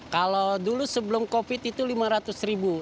kalau dulu sebelum covid itu lima ratus ribu